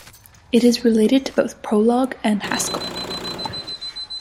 It is related to both Prolog and Haskell.